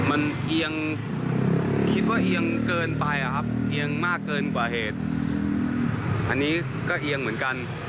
อันนี้ก็เกาะเหมือนกัน